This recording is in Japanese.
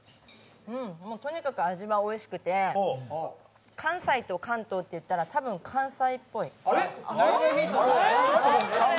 とにかく味はおいしくて関西と関東っていったら、多分、関西っぽい。